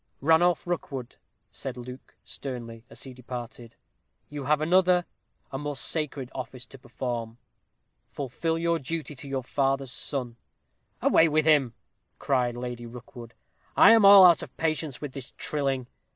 "Ranulph Rookwood," said Luke, sternly, as he departed, "you have another a more sacred office to perform. Fulfil your duty to your father's son." "Away with him!" cried Lady Rookwood. "I am out of all patience with this trilling.